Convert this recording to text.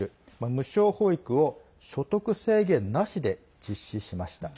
無償保育を所得制限なしで実施しました。